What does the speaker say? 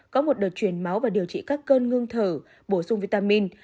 có một đợt chuyển máu và điều trị các cơn ngưng thở bổ sung vitamin